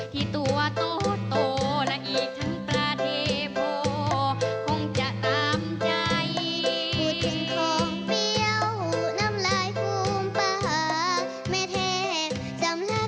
ที่ตัวโตโตและอีกทั้งประเด็นพ่อคงจะตามใจ